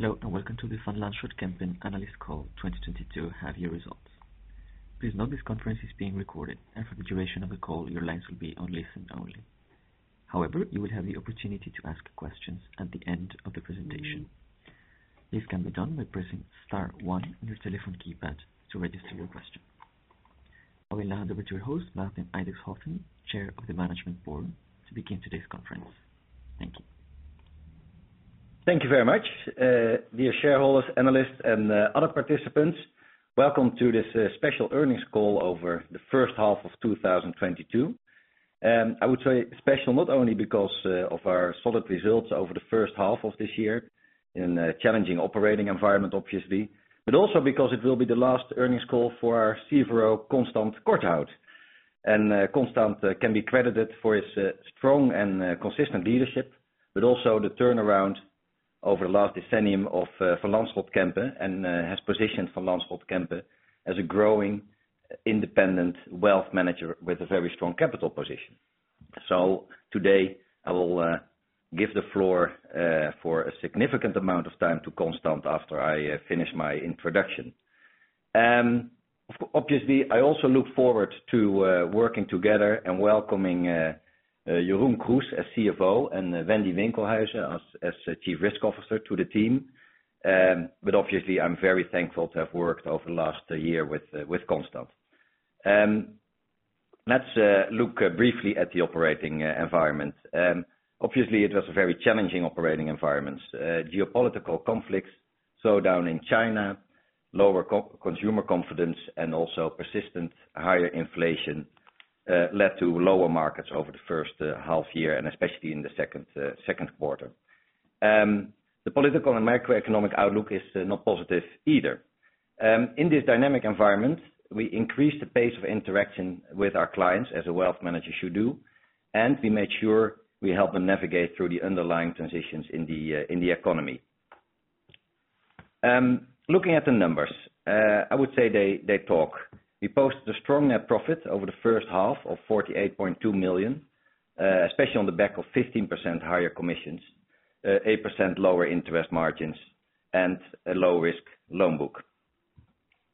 Hello, and welcome to the Van Lanschot Kempen Analyst Call 2022 half year results. Please note this conference is being recorded and for the duration of the call, your lines will be on listen-only. However, you will have the opportunity to ask questions at the end of the presentation. This can be done by pressing star one on your telephone keypad to register your question. I will hand over to your host, Maarten Edixhoven, Chair of the Management Board, to begin today's conference. Thank you. Thank you very much. Dear shareholders, analysts, and other participants, welcome to this special earnings call over the first half of 2022. I would say special not only because of our solid results over the first half of this year in a challenging operating environment, obviously, but also because it will be the last earnings call for our CFO, Constant Korthout. Constant can be credited for his strong and consistent leadership, but also the turnaround over the last decennium of Van Lanschot Kempen, and has positioned Van Lanschot Kempen as a growing independent wealth manager with a very strong capital position. Today I will give the floor for a significant amount of time to Constant after I finish my introduction. Obviously, I also look forward to working together and welcoming Jeroen Kroes as CFO and Wendy Winkelhuijzen as Chief Risk Officer to the team. Obviously I'm very thankful to have worked over the last year with Constant. Let's look briefly at the operating environment. Obviously it was a very challenging operating environment. Geopolitical conflicts, slowdown in China, lower consumer confidence, and also persistent higher inflation led to lower markets over the first half year and especially in the second quarter. The political and macroeconomic outlook is not positive either. In this dynamic environment, we increased the pace of interaction with our clients as a wealth manager should do, and we made sure we help them navigate through the underlying transitions in the economy. Looking at the numbers, I would say they talk. We posted a strong net profit over the first half of 48.2 million, especially on the back of 15% higher commissions, 8% lower interest margins and a low risk loan book.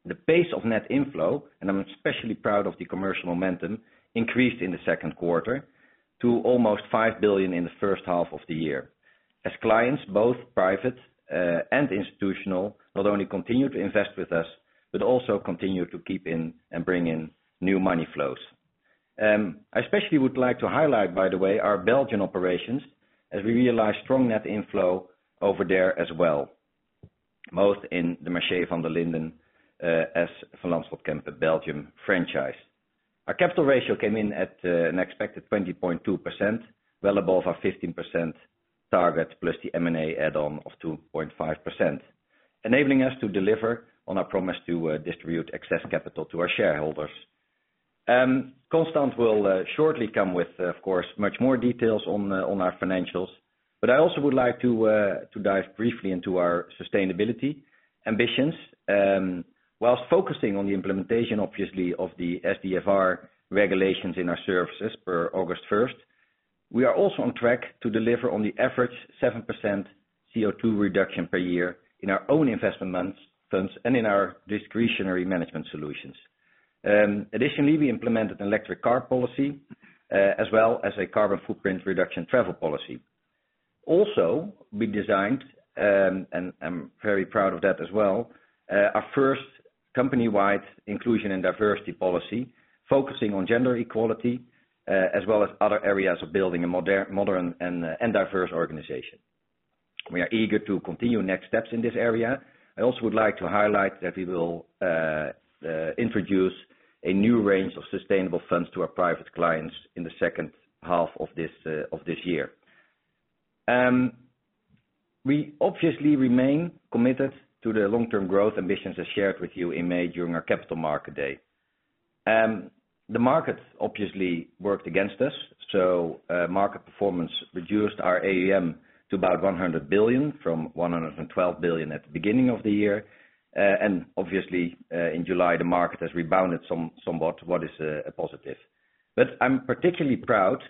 The pace of net inflow, and I'm especially proud of the commercial momentum, increased in the second quarter to almost 5 billion in the first half of the year. As clients, both private and institutional, not only continue to invest with us, but also continue to keep in and bring in new money flows. I especially would like to highlight, by the way, our Belgian operations as we realized strong net inflow over there as well, most in the Mercier Vanderlinden, as Van Lanschot Kempen Belgium franchise. Our capital ratio came in at an expected 20.2%, well above our 15% target, plus the M&A add-on of 2.5%, enabling us to deliver on our promise to distribute excess capital to our shareholders. Constant will shortly come with, of course, much more details on our financials, but I also would like to dive briefly into our sustainability ambitions. While focusing on the implementation, obviously, of the SFDR regulations in our services per August first, we are also on track to deliver on the average 7% CO2 reduction per year in our own investment funds and in our discretionary management solutions. Additionally, we implemented electric car policy, as well as a carbon footprint reduction travel policy. Also, we designed and I'm very proud of that as well, our first company-wide inclusion and diversity policy focusing on gender equality, as well as other areas of building a modern and diverse organization. We are eager to continue next steps in this area. I also would like to highlight that we will introduce a new range of sustainable funds to our private clients in the second half of this year. We obviously remain committed to the long-term growth ambitions as shared with you in May during our capital market day. The markets obviously worked against us, so market performance reduced our AUM to about 100 billion from 112 billion at the beginning of the year. Obviously, in July the market has rebounded somewhat, which is a positive. I'm particularly proud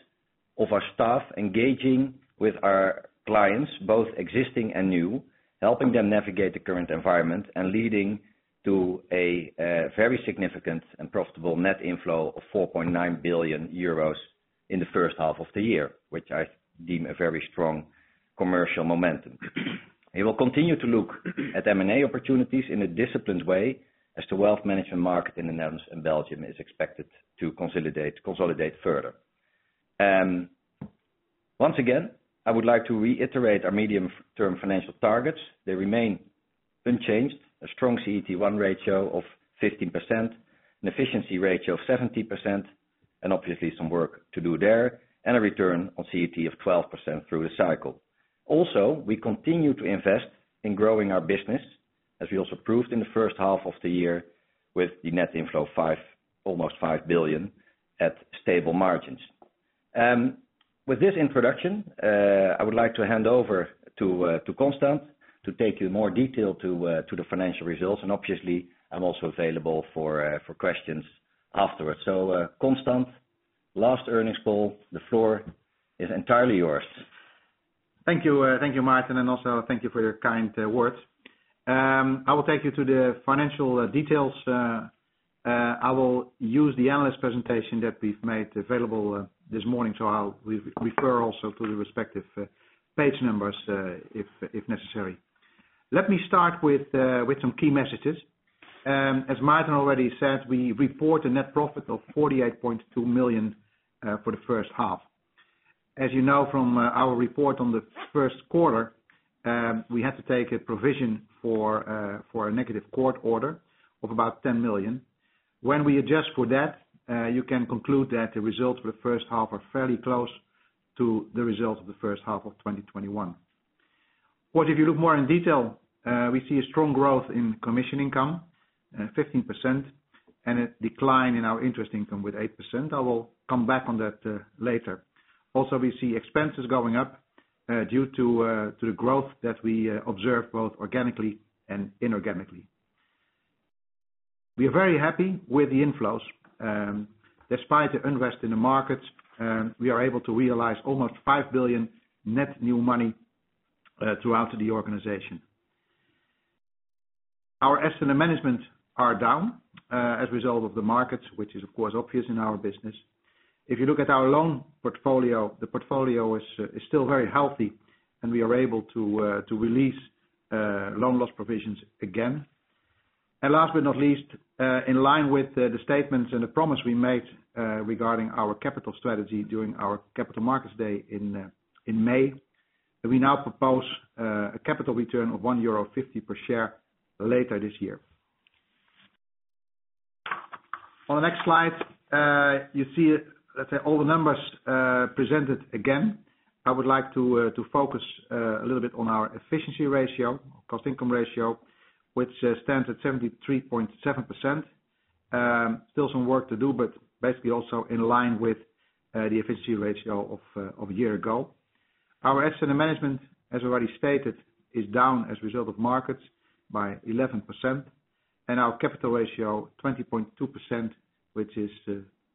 of our staff engaging with our clients, both existing and new, helping them navigate the current environment and leading to a very significant and profitable net inflow of 4.9 billion euros in the first half of the year, which I deem a very strong commercial momentum. We will continue to look at M&A opportunities in a disciplined way as the wealth management market in the Netherlands and Belgium is expected to consolidate further. Once again, I would like to reiterate our medium-term financial targets. They remain unchanged. A strong CET1 ratio of 15%, an efficiency ratio of 70%, and obviously some work to do there, and a return on CET1 of 12% through the cycle. Also, we continue to invest in growing our business, as we also proved in the first half of the year with the net inflow of almost 5 billion at stable margins. With this introduction, I would like to hand over to Constant to take you in more detail to the financial results. Obviously I'm also available for questions afterwards. Constant. Last earnings call. The floor is entirely yours. Thank you. Thank you, Maarten, and also thank you for your kind words. I will take you to the financial details. I will use the analyst presentation that we've made available this morning, so I'll refer also to the respective page numbers, if necessary. Let me start with some key messages. As Maarten already said, we report a net profit of 48.2 million for the first half. As you know from our report on the first quarter, we had to take a provision for a negative court order of about 10 million. When we adjust for that, you can conclude that the results for the first half are fairly close to the results of the first half of 2021. If you look more in detail, we see a strong growth in commission income, 15%, and a decline in our interest income with 8%. I will come back on that later. Also, we see expenses going up due to the growth that we observe both organically and inorganically. We are very happy with the inflows. Despite the unrest in the markets, we are able to realize almost 5 billion net new money throughout the organization. Our assets under management are down as a result of the markets, which is of course obvious in our business. If you look at our loan portfolio, the portfolio is still very healthy and we are able to release loan loss provisions again. Last but not least, in line with the statements and the promise we made regarding our capital strategy during our capital markets day in May, we now propose a capital return of 1.50 euro per share later this year. On the next slide, you see, let's say all the numbers presented again. I would like to focus a little bit on our efficiency ratio, cost income ratio, which stands at 73.7%. Still some work to do, but basically also in line with the efficiency ratio of a year ago. Our assets under management, as already stated, is down as a result of markets by 11%, and our capital ratio 20.22%, which is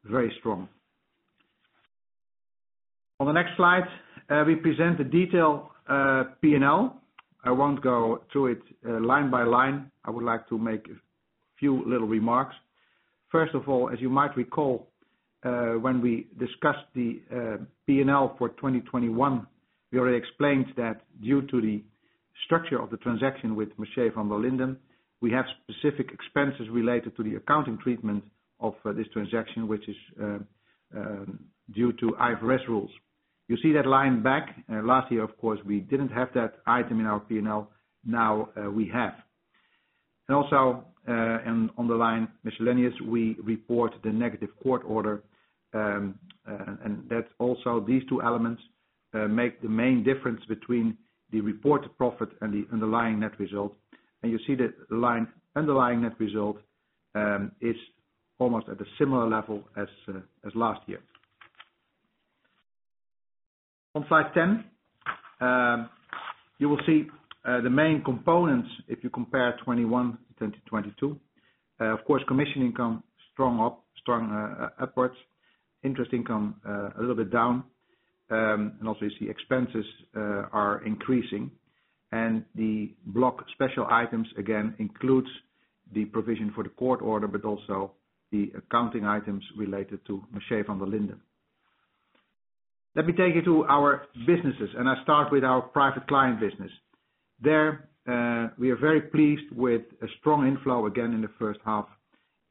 very strong. On the next slide, we present the detailed P&L. I won't go through it line by line. I would like to make a few little remarks. First of all, as you might recall, when we discussed the P&L for 2021, we already explained that due to the structure of the transaction with Mercier Vanderlinden, we have specific expenses related to the accounting treatment of this transaction, which is due to IFRS rules. You see that line back. Last year, of course, we didn't have that item in our P&L. Now, we have. Also, on the line miscellaneous, we report the negative court order. That's also these two elements make the main difference between the reported profit and the underlying net result. You see the line underlying net result is almost at a similar level as last year. On slide 10, you will see the main components if you compare 2021 to 2022. Of course, commission income strong upwards. Interest income a little bit down. Also you see expenses are increasing. The block special items, again, includes the provision for the court order, but also the accounting items related to Mercier Vanderlinden. Let me take you to our businesses, and I start with our private client business. There we are very pleased with a strong inflow again in the first half.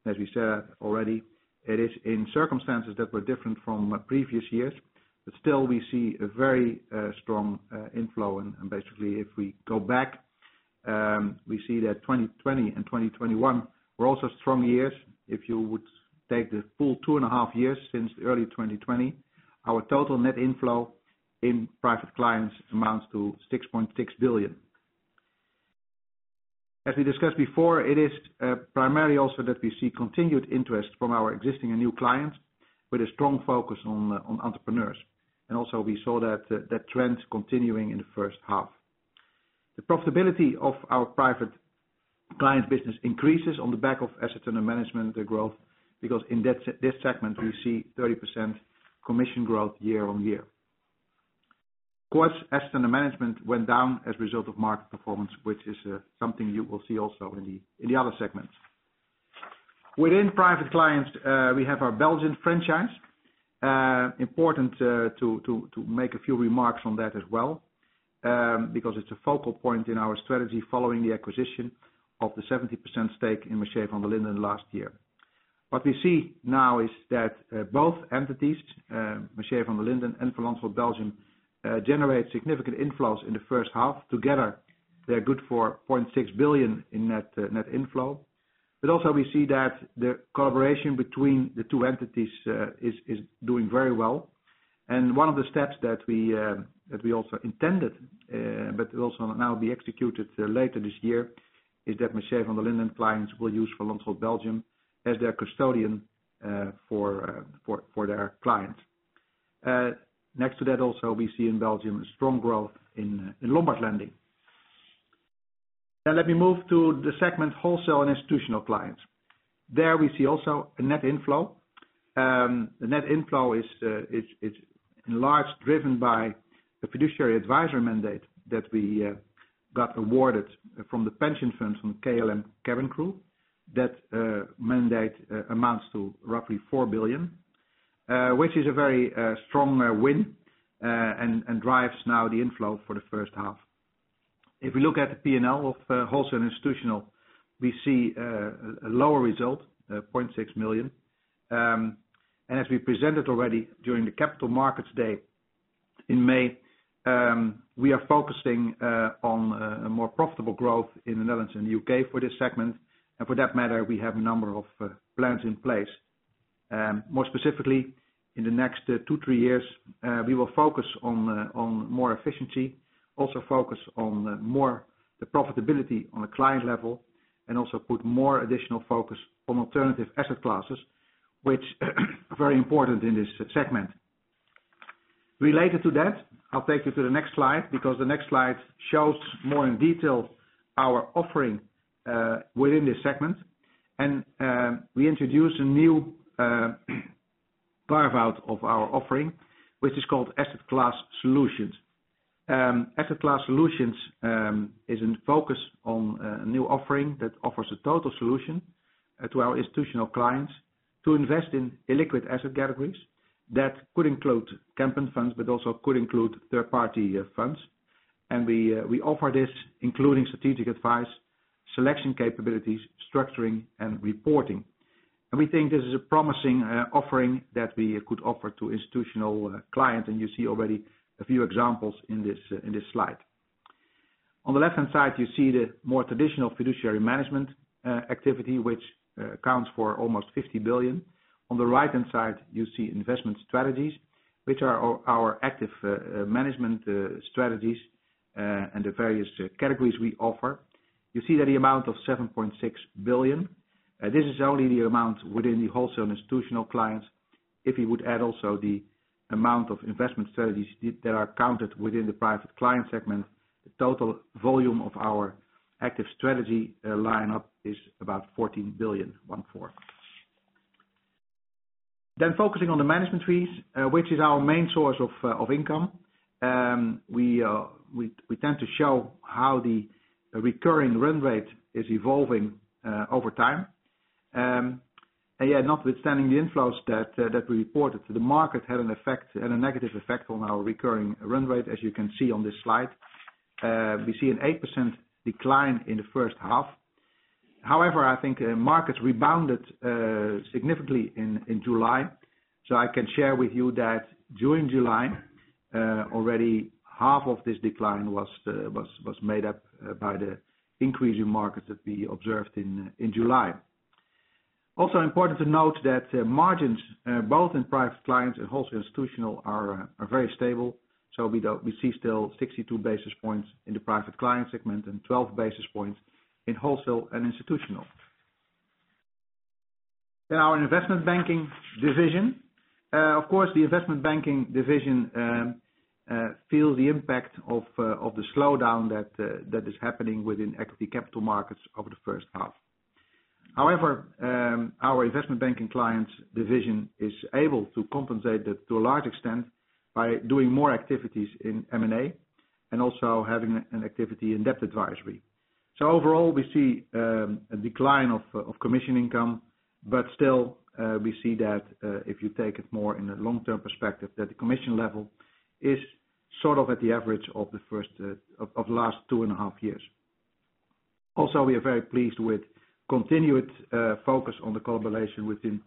As we said already, it is in circumstances that were different from previous years, but still we see a very strong inflow. Basically, if we go back, we see that 2020 and 2021 were also strong years. If you would take the full 2.5 years since early 2020, our total net inflow in private clients amounts to 6.6 billion. As we discussed before, it is primarily also that we see continued interest from our existing and new clients with a strong focus on entrepreneurs. We also saw that trend continuing in the first half. The profitability of our private client business increases on the back of assets under management growth, because in that this segment, we see 30% commission growth year-on-year. Of course, assets under management went down as a result of market performance, which is something you will see also in the other segments. Within private clients, we have our Belgian franchise. Important to make a few remarks on that as well, because it's a focal point in our strategy following the acquisition of the 70% stake in Mercier Vanderlinden last year. What we see now is that both entities, Mercier Vanderlinden and Van Lanschot Belgium, generate significant inflows in the first half. Together, they're good for 0.6 billion in net inflow. Also we see that the collaboration between the two entities is doing very well. One of the steps that we also intended, but will also now be executed later this year, is that Mercier Vanderlinden clients will use Van Lanschot Belgium as their custodian for their clients. Next to that, we see in Belgium a strong growth in Lombard lending. Now let me move to the segment wholesale and institutional clients. There we see also a net inflow. The net inflow is largely driven by the fiduciary management mandate that we got awarded from the pension fund from KLM cabin crew. That mandate amounts to roughly 4 billion, which is a very strong win and drives the inflow for the first half. If we look at the P&L of wholesale and institutional, we see a lower result, 0.6 million. As we presented already during the Capital Markets Day in May, we are focusing on a more profitable growth in the Netherlands and UK for this segment. For that matter, we have a number of plans in place. More specifically, in the next 2-3 years, we will focus on more efficiency, also focus on more the profitability on a client level and also put more additional focus on alternative asset classes, which are very important in this segment. Related to that, I'll take you to the next slide because the next slide shows more in detail our offering within this segment. We introduced a new part of our offering, which is called asset class solutions. Asset class solutions is focused on a new offering that offers a total solution to our institutional clients to invest in illiquid asset categories that could include Kempen funds, but also could include third-party funds. We offer this including strategic advice, selection capabilities, structuring and reporting. We think this is a promising offering that we could offer to institutional clients, and you see already a few examples in this slide. On the left-hand side, you see the more traditional fiduciary management activity, which accounts for almost 50 billion. On the right-hand side, you see investment strategies, which are our active management strategies and the various categories we offer. You see that the amount of 7.6 billion, this is only the amount within the wholesale institutional clients. If you would add also the amount of investment strategies that are counted within the private client segment, the total volume of our active strategy line-up is about 14 billion. Focusing on the management fees, which is our main source of income, we tend to show how the recurring run rate is evolving over time. Notwithstanding the inflows that we reported to the market had an effect, had a negative effect on our recurring run rate, as you can see on this slide. We see an 8% decline in the first half. However, I think markets rebounded significantly in July, so I can share with you that during July, already half of this decline was made up by the increase in markets that we observed in July. Also important to note that margins both in private clients and wholesale institutional are very stable. We see still 62 basis points in the private client segment and 12 basis points in wholesale and institutional. Now our investment banking division. Of course, the investment banking division feel the impact of the slowdown that that is happening within equity capital markets over the first half. However, our investment banking client division is able to compensate that to a large extent by doing more activities in M&A and also having an activity in debt advisory. Overall, we see a decline of commission income, but still, we see that if you take it more in a long-term perspective, that the commission level is sort of at the average of the first of the last two and a half years. Also, we are very pleased with continued focus on the correlation within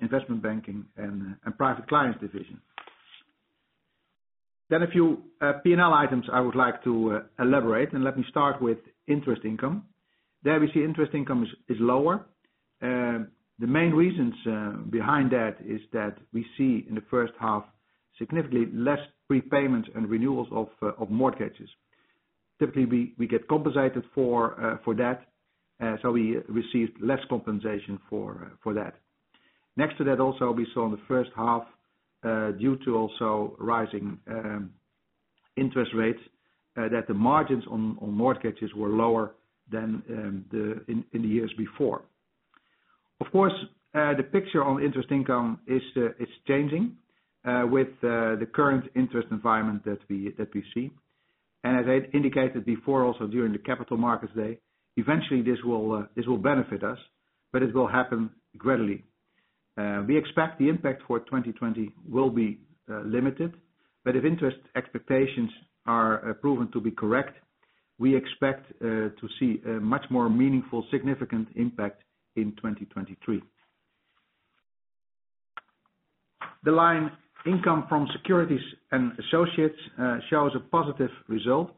investment banking and private clients division. A few P&L items I would like to elaborate, and let me start with interest income. There we see interest income is lower. The main reasons behind that is that we see in the first half significantly less prepayments and renewals of mortgages. Typically, we get compensated for that, so we received less compensation for that. Next to that also, we saw in the first half due to also rising interest rates that the margins on mortgages were lower than in the years before. Of course, the picture on interest income is changing with the current interest environment that we see. As I indicated before also during the Capital Markets Day, eventually this will benefit us, but it will happen gradually. We expect the impact for 2020 will be limited, but if interest rate expectations are proven to be correct, we expect to see a much more meaningful, significant impact in 2023. The line income from securities and associates shows a positive result.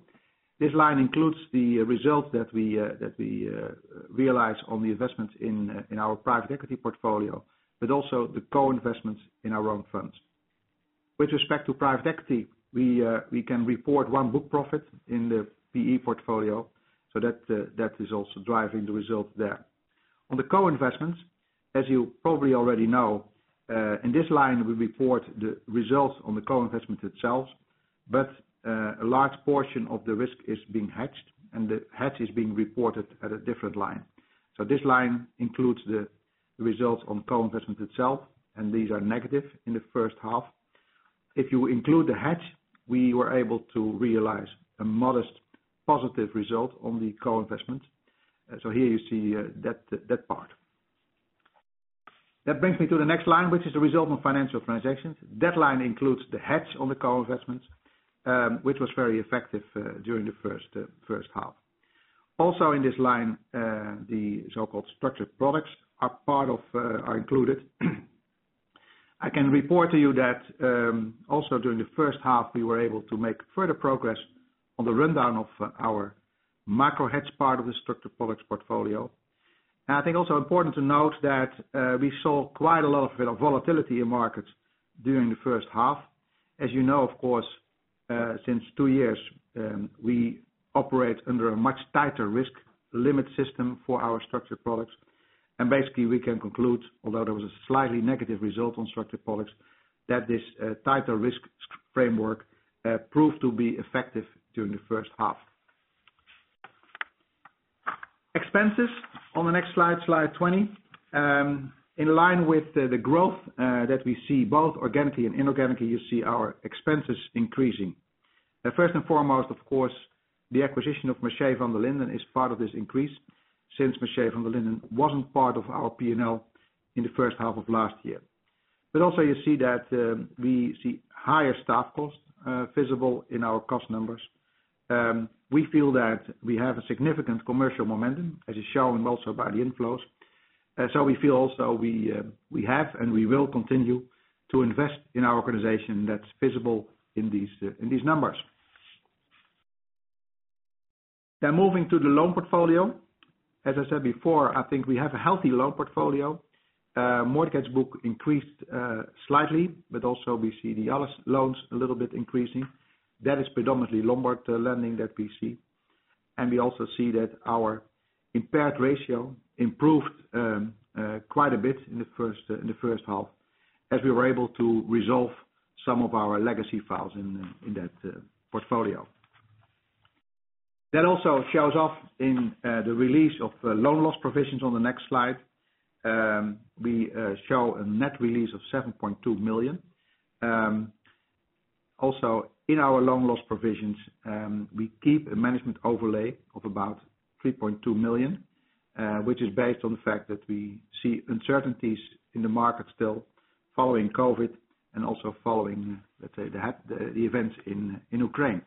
This line includes the result that we realize on the investment in our private equity portfolio, but also the co-investments in our own funds. With respect to private equity, we can report one book profit in the PE portfolio, so that is also driving the results there. On the co-investments, as you probably already know, in this line, we report the results on the co-investments itself, but a large portion of the risk is being hedged and the hedge is being reported at a different line. This line includes the results on co-investments itself, and these are negative in the first half. If you include the hedge, we were able to realize a modest positive result on the co-investments. Here you see that part. That brings me to the next line, which is a result of financial transactions. That line includes the hedge on the co-investments, which was very effective during the first half. Also in this line, the so-called structured products are included. I can report to you that, also during the first half, we were able to make further progress on the rundown of our micro hedge part of the structured products portfolio. I think also important to note that, we saw quite a lot of volatility in markets during the first half. As you know, of course, since two years, we operate under a much tighter risk limit system for our structured products. Basically, we can conclude, although there was a slightly negative result on structured products, that this, tighter risk framework, proved to be effective during the first half. Expenses on the next slide 20. In line with the growth that we see both organically and inorganically, you see our expenses increasing. First and foremost, of course, the acquisition of Mercier Vanderlinden is part of this increase since Mercier Vanderlinden wasn't part of our P&L in the first half of last year. Also you see that we see higher staff costs visible in our cost numbers. We feel that we have a significant commercial momentum, as is shown also by the inflows. We feel also we have and we will continue to invest in our organization that's visible in these numbers. Now moving to the loan portfolio. As I said before, I think we have a healthy loan portfolio. Mortgage book increased slightly, but also we see the other loans a little bit increasing. That is predominantly Lombard lending that we see. We also see that our impaired ratio improved quite a bit in the first half as we were able to resolve some of our legacy files in that portfolio. That also shows up in the release of loan loss provisions on the next slide. We show a net release of 7.2 million. Also in our loan loss provisions, we keep a management overlay of about 3.2 million, which is based on the fact that we see uncertainties in the market still following COVID and also following, let's say, the events in Ukraine.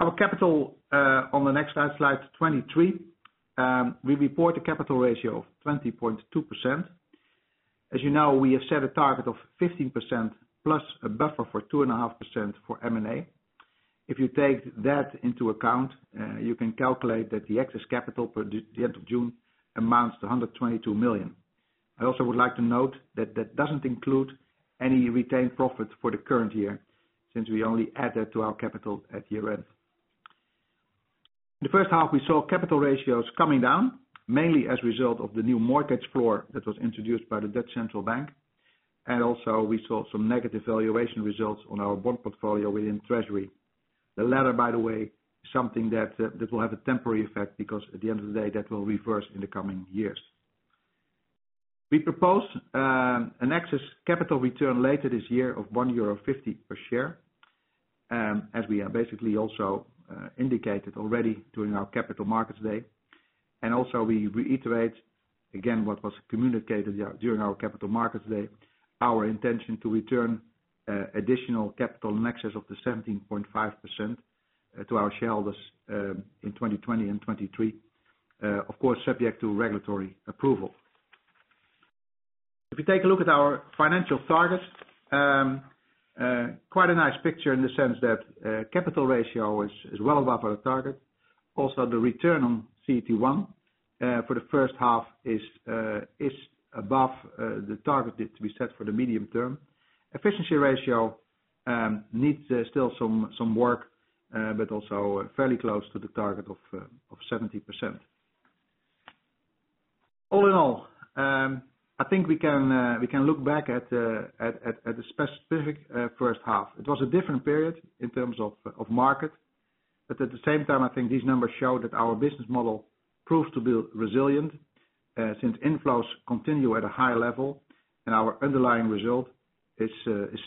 Our capital, on the next slide 23, we report a capital ratio of 20.2%. As you know, we have set a target of 15% plus a buffer for 2.5% for M&A. If you take that into account, you can calculate that the excess capital for the end of June amounts to 122 million. I also would like to note that that doesn't include any retained profits for the current year since we only add that to our capital at year-end. The first half, we saw capital ratios coming down, mainly as a result of the new mortgage floor that was introduced by the De Nederlandsche Bank. Also we saw some negative valuation results on our bond portfolio within treasury. The latter, by the way, something that that will have a temporary effect because at the end of the day, that will reverse in the coming years. We propose an excess capital return later this year of 1.50 euro per share, as we have basically also indicated already during our Capital Markets Day. Also we reiterate again what was communicated during our Capital Markets Day, our intention to return additional capital in excess of the 17.5% to our shareholders in 2020 and 2023, of course, subject to regulatory approval. If you take a look at our financial targets, quite a nice picture in the sense that capital ratio is well above our target. Also, the return on CET1 for the first half is above the target that we set for the medium term. Efficiency ratio needs still some work, but also fairly close to the target of 70%. All in all, I think we can look back at a specific first half. It was a different period in terms of market, but at the same time, I think these numbers show that our business model proved to be resilient, since inflows continue at a high level and our underlying result is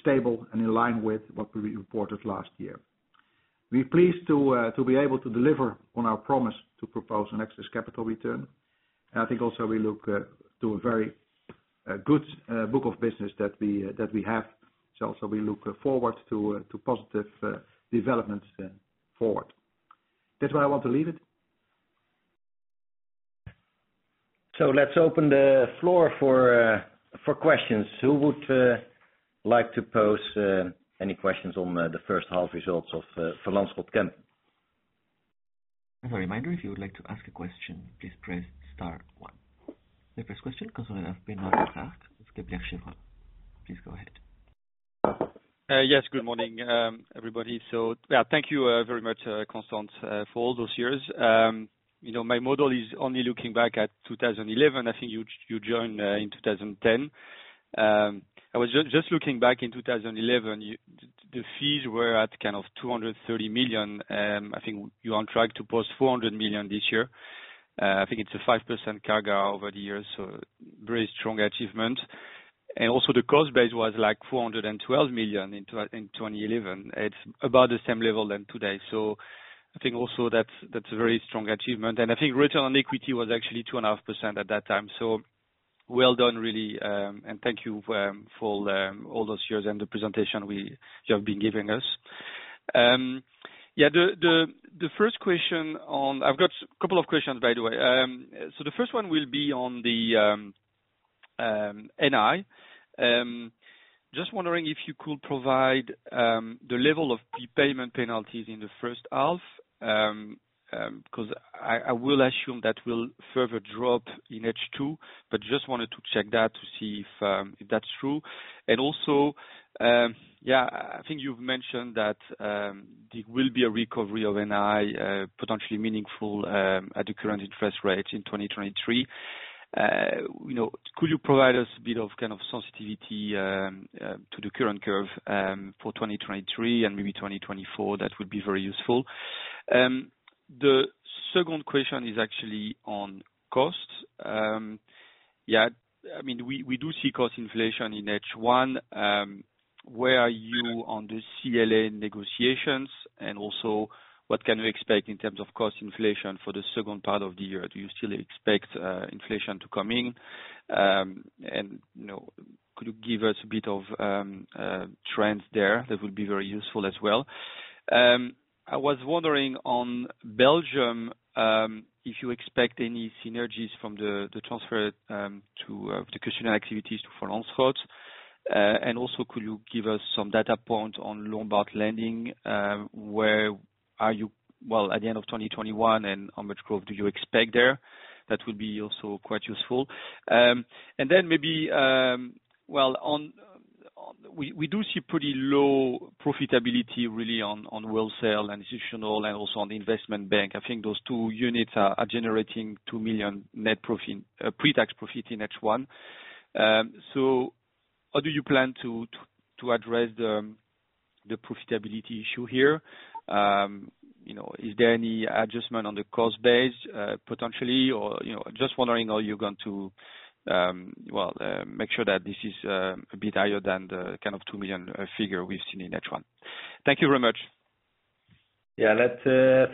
stable and in line with what we reported last year. We're pleased to be able to deliver on our promise to propose an excess capital return. I think also we look to a very good book of business that we have. We look forward to positive developments forward. That's where I want to leave it. Let's open the floor for questions. Who would like to pose any questions on the first half results of Van Lanschot Kempen? As a reminder, if you would like to ask a question, please press star one. The first question comes from. Please go ahead. Yes. Good morning, everybody. Yeah, thank you very much, Constant, for all those years. You know, my model is only looking back at 2011. I think you joined in 2010. I was just looking back in 2011, the fees were at kind of 230 million. I think you're on track to post 400 million this year. I think it's a 5% CAGR over the years, so very strong achievement. The cost base was, like, 412 million in 2011. It's about the same level than today. I think also that's a very strong achievement. I think return on equity was actually 2.5% at that time. Well done, really, and thank you for all those years and the presentation you have been giving us. Yeah, the first question. I've got a couple of questions, by the way. The first one will be on the NI. Just wondering if you could provide the level of prepayment penalties in the first half, because I will assume that will further drop in H2, but just wanted to check that to see if that's true. Also, yeah, I think you've mentioned that there will be a recovery of NI, potentially meaningful, at the current interest rate in 2023. You know, could you provide us a bit of kind of sensitivity to the current curve for 2023 and maybe 2024? That would be very useful. The second question is actually on costs. Yeah, I mean, we do see cost inflation in H1. Where are you on the CLA negotiations? What can we expect in terms of cost inflation for the second part of the year? Do you still expect inflation to come in? You know, could you give us a bit of trends there? That would be very useful as well. I was wondering on Belgium if you expect any synergies from the transfer to the customer activities for Van Lanschot. Could you give us some data points on Lombard lending? Where are you, well, at the end of 2021, and how much growth do you expect there? That would be also quite useful. Then maybe, well, on wholesale and institutional and also on the investment bank. We do see pretty low profitability really on wholesale and institutional and also on the investment bank. I think those two units are generating 2 million net profit, pre-tax profit in H1. How do you plan to address the profitability issue here? You know, is there any adjustment on the cost base, potentially? Or, you know. Just wondering, are you going to, well, make sure that this is a bit higher than the kind of 2 million figure we've seen in H1. Thank you very much.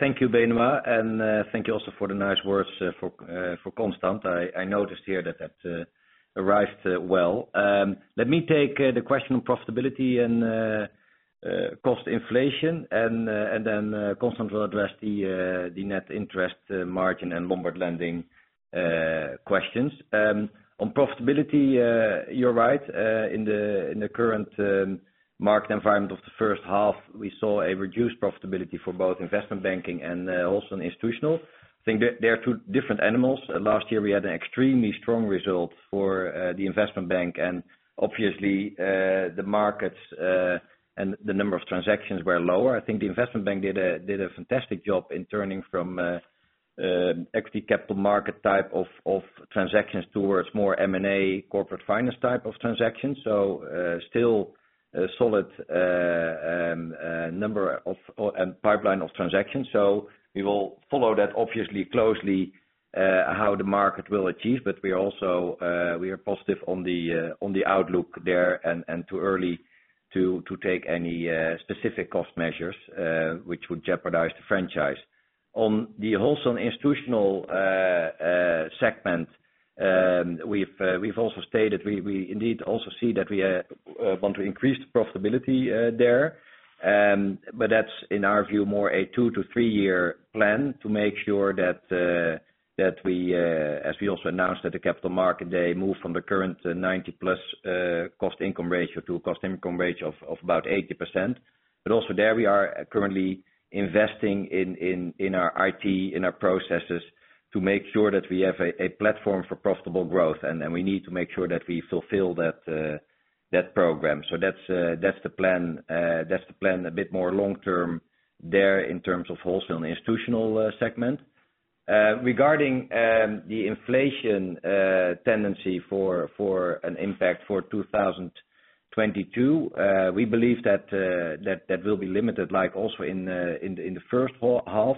Thank you, Benoit, and thank you also for the nice words for Constant. I noticed here that arrived well. Let me take the question on profitability and cost inflation, and then Constant will address the net interest margin and Lombard lending questions. On profitability, you're right. In the current market environment of the first half, we saw a reduced profitability for both investment banking and also in institutional. I think they are two different animals. Last year, we had an extremely strong result for the investment bank, and obviously, the markets and the number of transactions were lower. I think the investment bank did a fantastic job in turning from equity capital markets type of transactions towards more M&A corporate finance type of transactions. Still a solid number and pipeline of transactions. We will follow that obviously closely how the market will achieve. We also are positive on the outlook there and too early to take any specific cost measures which would jeopardize the franchise. On the wholesale and institutional segment, we've also stated we indeed also see that we want to increase the profitability there. That's, in our view, more a 2-3-year plan to make sure that we, as we also announced at the Capital Market Day, move from the current 90+ cost income ratio to a cost income ratio of about 80%. Also there we are currently investing in our IT, in our processes to make sure that we have a platform for profitable growth. We need to make sure that we fulfill that program. That's the plan a bit more long term there in terms of wholesale and institutional segment. Regarding the inflation tendency for an impact for 2022, we believe that that will be limited, like also in the first half.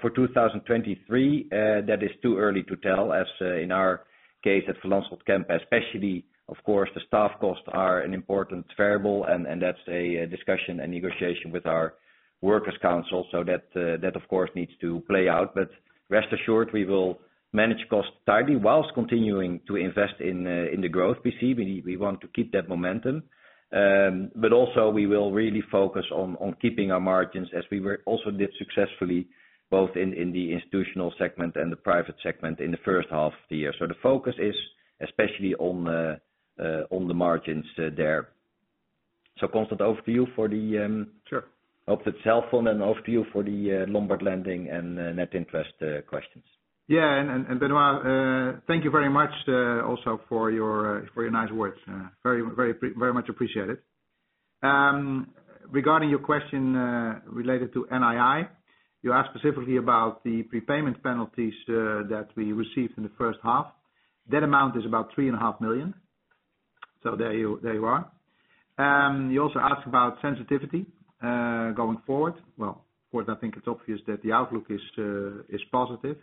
For 2023, that is too early to tell, as in our case at Van Lanschot Kempen especially, of course, the staff costs are an important variable and that's a discussion and negotiation with our works council. That of course needs to play out. Rest assured we will manage costs tightly while continuing to invest in the growth we see. We want to keep that momentum. We will really focus on keeping our margins as we also did successfully both in the institutional segment and the private segment in the first half of the year. The focus is especially on the margins there. Constant over to you for the Sure. Hope that's helpful, and over to you for the Lombard lending and net interest questions. Yeah. Benoit, thank you very much, also for your nice words. Very much appreciated. Regarding your question related to NII, you asked specifically about the prepayment penalties that we received in the first half. That amount is about 3.5 million. There you are. You also asked about sensitivity going forward. Well, of course, I think it's obvious that the outlook is positive.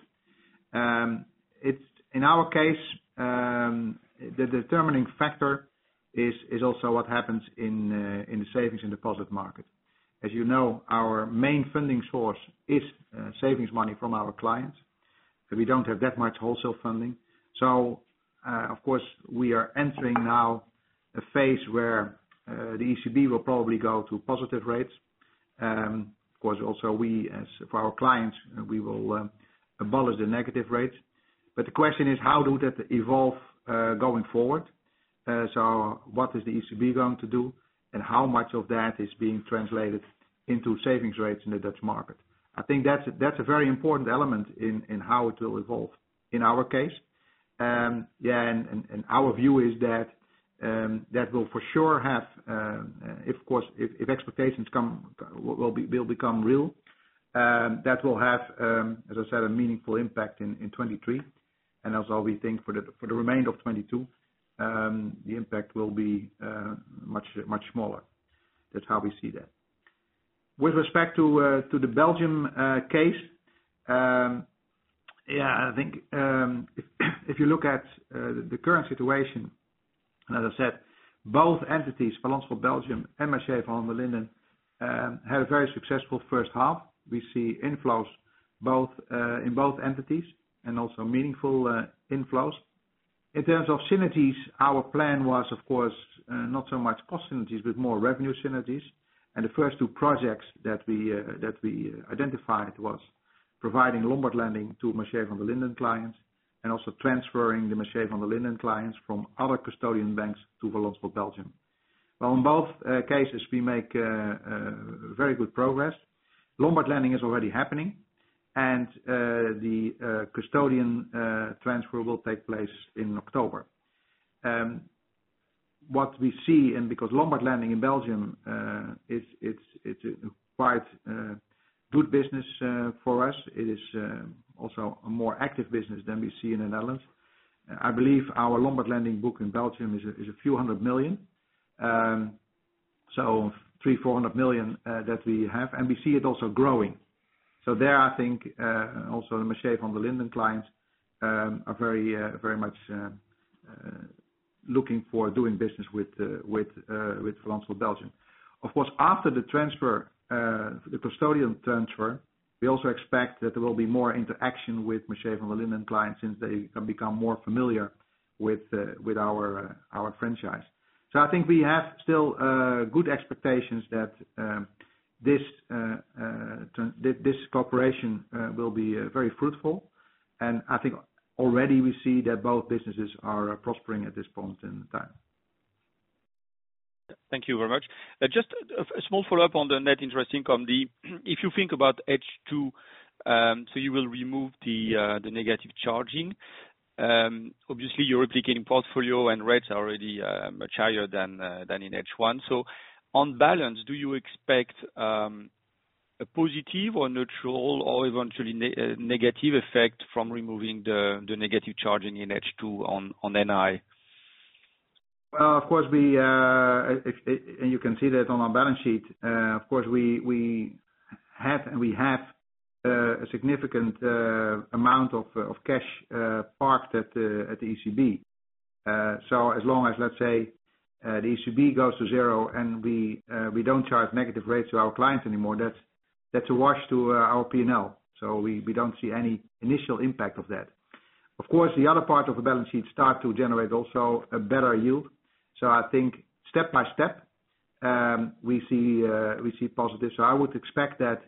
In our case, the determining factor is also what happens in the savings and deposit market. As you know, our main funding source is savings money from our clients. We don't have that much wholesale funding. Of course, we are entering now a phase where the ECB will probably go to positive rates. Of course, also, as for our clients, we will abolish the negative rates. The question is how does that evolve going forward? What is the ECB going to do, and how much of that is being translated into savings rates in the Dutch market? I think that's a very important element in how it will evolve in our case. Our view is that that will for sure have, of course if expectations come, will become real, that will have, as I said, a meaningful impact in 2023. We think for the remainder of 2022, the impact will be much smaller. That's how we see that. With respect to the Belgian case, I think if you look at the current situation, as I said, both entities, Van Lanschot Belgium, Mercier Vanderlinden, had a very successful first half. We see inflows in both entities and also meaningful inflows. In terms of synergies, our plan was of course not so much cost synergies, but more revenue synergies. The first two projects that we identified was providing Lombard lending to Mercier Vanderlinden clients and also transferring the Mercier Vanderlinden clients from other custodian banks to Van Lanschot Belgium. Well, in both cases, we make very good progress. Lombard lending is already happening, and the custodian transfer will take place in October. What we see and because Lombard lending in Belgium, it's quite good business for us. It is also a more active business than we see in the Netherlands. I believe our Lombard lending book in Belgium is a few hundred million, so 300-400 million that we have, and we see it also growing. There, I think, also the Mercier Vanderlinden clients are very much looking for doing business with Van Lanschot Belgium. Of course, after the transfer, the custodian transfer, we also expect that there will be more interaction with Mercier Vanderlinden clients since they can become more familiar with our franchise. I think we have still good expectations that this cooperation will be very fruitful. I think already we see that both businesses are prospering at this point in time. Thank you very much. Just a small follow-up on the net interest income. If you think about stage two, you will remove the negative carry. Obviously your replicating portfolio and rates are already much higher than in stage one. On balance, do you expect a positive or neutral or eventually negative effect from removing the negative carry in stage two on NI? Well, of course, you can see that on our balance sheet. Of course, we had and we have a significant amount of cash parked at the ECB. As long as, let's say, the ECB goes to zero and we don't charge negative rates to our clients anymore, that's a wash to our P&L. We don't see any initial impact of that. Of course, the other part of the balance sheet start to generate also a better yield. I think step by step, we see positive. I would expect that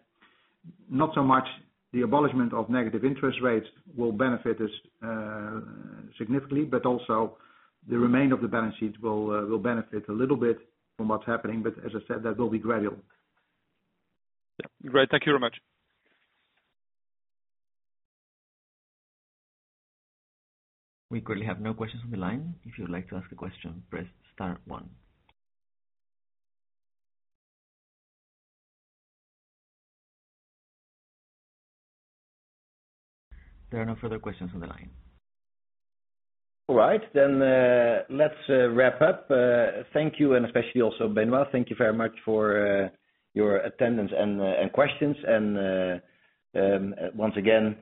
not so much the abolishment of negative interest rates will benefit us significantly, but also the remainder of the balance sheet will benefit a little bit from what's happening. As I said, that will be gradual. Yeah. Great. Thank you very much. We currently have no questions on the line. If you would like to ask a question, press star one. There are no further questions on the line. All right. Then, let's wrap up. Thank you, and especially also Benoit, thank you very much for your attendance and questions. Once again,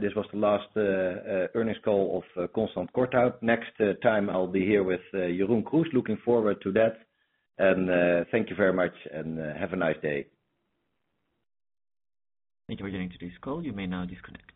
this was the last earnings call of Constant Korthout. Next time I'll be here with Jeroen Kroes, looking forward to that. Thank you very much and have a nice day. Thank you for joining today's call. You may now disconnect.